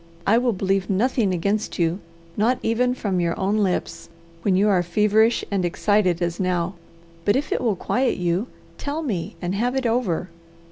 I will believe nothing against you, not even from your own lips, when you are feverish and excited as now, but if it will quiet you, tell me and have it over.